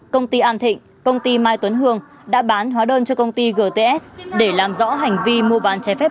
công ty an thịnh công ty mai tuấn hương đã bán hóa đơn cho công ty gts để làm rõ hành vi mua bán trái phép